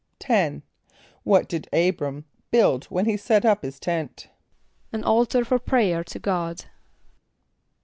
= =10.= What did [=A]´br[)a]m build whenever he set up his tent? =An altar for prayer to God.